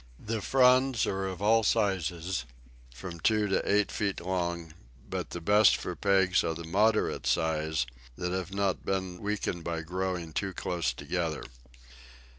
The fronds are of all sizes, from two to eight feet long; but the best for pegs are the moderate sized, that have not been weakened by growing too close together.